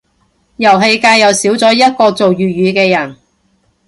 遊戲界又少一個做粵語嘅人